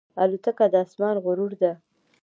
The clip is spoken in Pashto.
الوتکه د آسمان غرور ده.